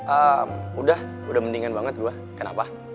eh udah udah mendingan banget gue kenapa